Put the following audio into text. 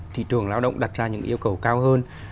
thị trường lao động đặt ra những yêu cầu cao hơn